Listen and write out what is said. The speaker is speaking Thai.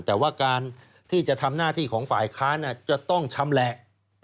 แต่ว่าการที่จะทำหน้าที่ของฝ่ายค้านจะต้องชำแหละ